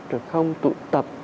rồi không tụ tập